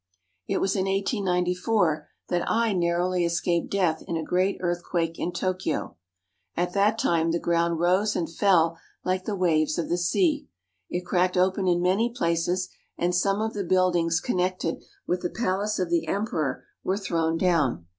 It was in 1894 that I narrowly escaped death in a great earthquake in Tokyo. At that time the ground rose and fell like the waves of the sea. It cracked open in many places, and some of the buildings connected with the palaces of the Emperor were thrown down.